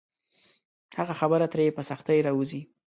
حقه خبره ترې په سختۍ راووځي.